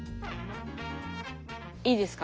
いいですか。